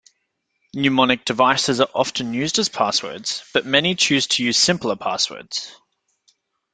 Mnemonics devices are often used as passwords but many choose to use simpler passwords.